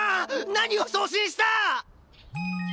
何を送信した！？